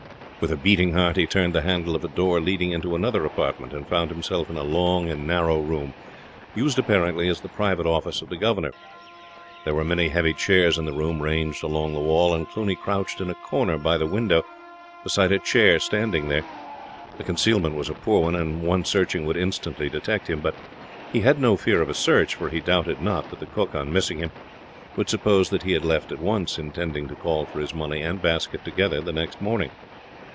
With a beating heart he turned the handle of a door leading into another apartment, and found himself in a long and narrow room, used apparently as the private office of the governor. There were many heavy chairs in the room, ranged along the wall, and Cluny crouched in a corner by the window beside a chair standing there. The concealment was a poor one, and one searching would instantly detect him; but he had no fear of a search, for he doubted not that the cook, on missing him, would suppose that he had left at once, intending to call for his money and basket together the next morning.